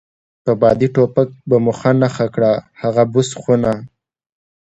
په بادي ټوپک به مو په نښه کړه، هغه بوس خونه.